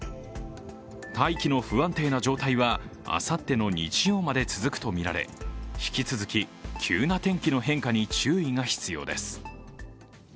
大気の不安定な状態はあさっての日曜まで続くとみられ、引き続き急な天気の変化に注意が必要です。